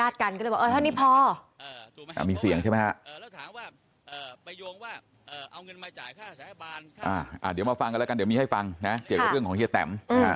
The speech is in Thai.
เดี๋ยวมาฟังกันแล้วกันเดี๋ยวมีให้ฟังนะเกี่ยวกับเรื่องของเฮียแตม